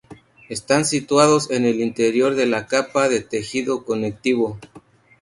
Están situados en el interior de la capa de tejido conectivo.